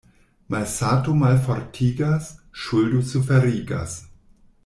Malsato malfortigas, ŝuldo suferigas.